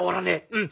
うん。